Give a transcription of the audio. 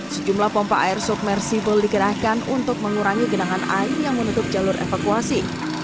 sejumlah pompa air submersible dikerahkan untuk mengurangi genangan air yang menutup jalur evakuasi